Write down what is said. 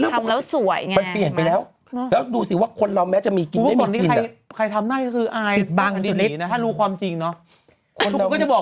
มันมีความเปลี่ยนแปลงดีนะตัวแว่น้อง